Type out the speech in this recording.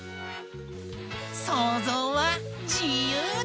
そうぞうはじゆうだ！